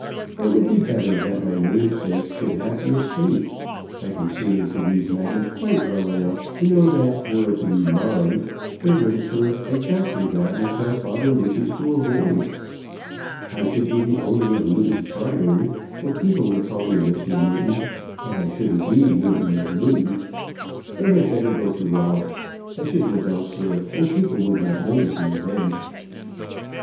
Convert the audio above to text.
It would be better that my namesake should have the estate. I can see into these matters quite well enough to know that were it to be mine there would occur exactly that which my father wishes to avoid. I should be the owner of Newton Priory, and people would call me Mr. Newton. But I shouldn't be Newton of Newton. It had better go to Ralph. I should live elsewhere, and people would not notice me then."